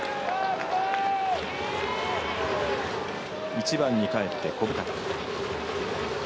１番にかえって小深田。